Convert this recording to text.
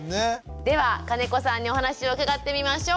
では金子さんにお話を伺ってみましょう。